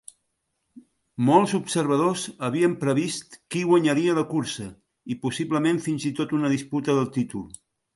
Molts observadors havien previst qui guanyaria la cursa i possiblement fins i tot una disputa del títol.